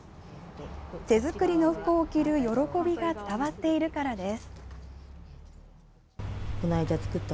手作りの服を着る喜びが伝わっているからです。